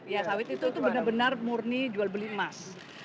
ya sawit itu benar benar murni jual beli emas